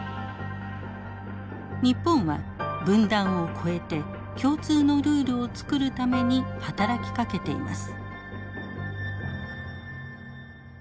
日本は分断を超えて共通のルールを作るために働きかけています。